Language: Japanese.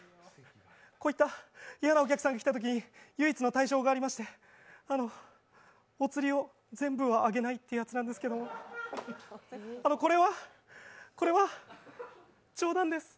こういった嫌なお客さんが来たときに唯一の対処法がありましてお釣りを全部はあげないってやつなんですけどあの、これは、これは冗談です。